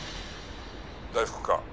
「大福か？」